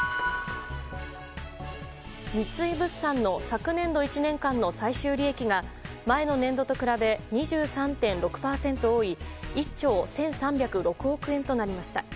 三井物産の昨年度１年間の最終利益が前の年度と比べ２３．６％多い１兆１３０６億円となりました。